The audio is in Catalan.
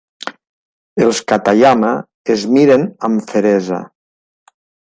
Els Katayama es miren amb feresa.